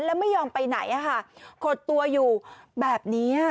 แล้วไม่ยอมไปไหนขดตัวอยู่แบบนี้